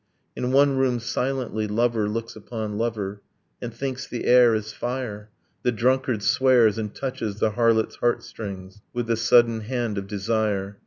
In one room, silently, lover looks upon lover, And thinks the air is fire. The drunkard swears and touches the harlot's heartstrings With the sudden hand of desire.